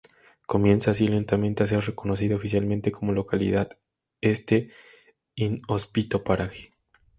Comienza así lentamente a ser reconocida "oficialmente" como localidad este inhóspito paraje.